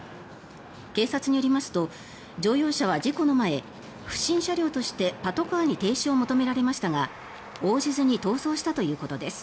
警察によりますと乗用車は事故の前不審車両としてパトカーに停止を求められましたが応じずに逃走したということです。